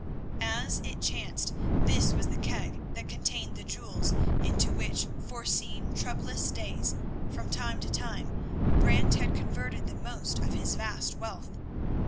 As it chanced this was the keg that contained the jewels into which, foreseeing troublous days, from time to time Brant had converted the most of his vast wealth.